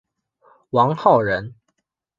王篆人。